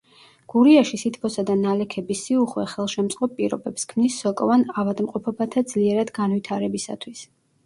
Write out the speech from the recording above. გურიაში სითბოსა და ნალექების სიუხვე ხელშემწყობ პირობებს ქმნის სოკოვან ავადმყოფობათა ძლიერად განვითარებისათვის.